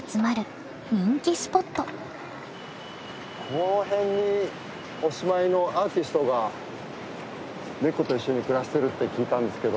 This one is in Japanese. この辺にお住まいのアーティストがネコと一緒に暮らしてるって聞いたんですけどどこの家かな。